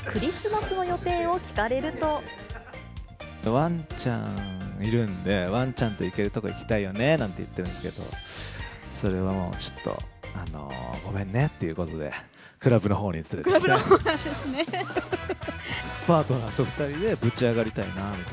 ワンちゃんいるんで、ワンちゃんと行けるとこ行きたいよねなんて言ってるんですけど、それはもうちょっと、ごめんねっていうことで、クラブのほうに連れてって。